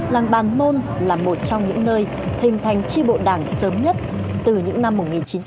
làng bàn môn là một trong những nơi hình thành tri bộ đảng sớm nhất từ những năm một nghìn chín trăm bảy mươi